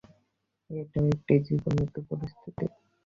এটাও একটি জীবন-মৃত্যু পরিস্থিতি।